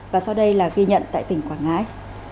và sau đây là ghi nhận tại tỉnh quảng ngãi